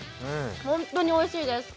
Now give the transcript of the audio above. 本当においしいです。